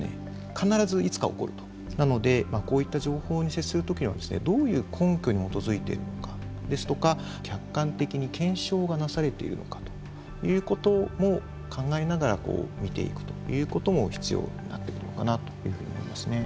なのでこういった情報に接する時はですねどういう根拠に基づいてるのかですとか客観的に検証がなされているのかということも考えながら見ていくということも必要になってくるのかなというふうに思いますね。